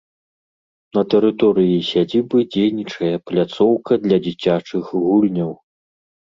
На тэрыторыі сядзібы дзейнічае пляцоўка для дзіцячых гульняў.